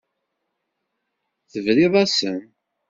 Tebriḍ-asen.